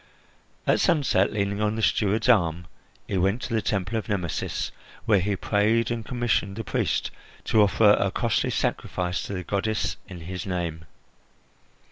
At sunset, leaning on the steward's arm, he went to the Temple of Nemesis, where he prayed and commissioned the priest to offer a costly sacrifice to the goddess in his name.